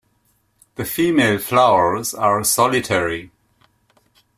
The female flowers are solitary.